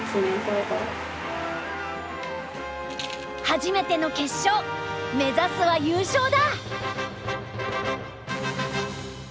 初めての決勝目指すは優勝だ！